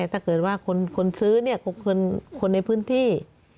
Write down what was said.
ถ้าเกิดว่าคนซื้อคนในพื้นที่